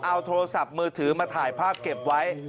เอาโทรศัพท์มือถือมาถ่ายภาพเก็บไว้